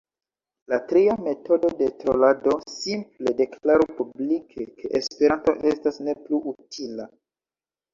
La tria metodo de trolado, simple deklaru publike ke esperanto estas ne plu utila.